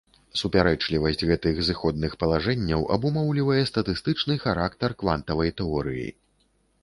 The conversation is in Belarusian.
Супярэчлівасць гэтых зыходных палажэнняў абумоўлівае статыстычны характар квантавай тэорыі.